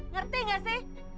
ngerti gak sih